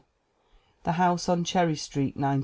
The House on Cherry Street, 1909.